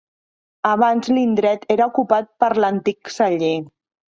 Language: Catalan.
Abans l'indret era ocupat per l'antic celler.